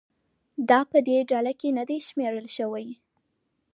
دا په دې ډله کې نه دي شمېرل شوي